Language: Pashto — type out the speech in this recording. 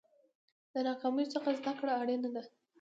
د ناکامیو څخه زده کړه اړینه ده.